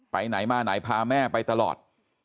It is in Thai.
ไปไหนมาไหนพาแม่ไปตลอด